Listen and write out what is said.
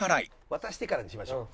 渡してからにしましょう。